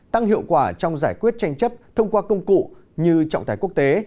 tăng hiệu quả trong giải quyết tranh chấp thông qua công cụ như trọng tài quốc tế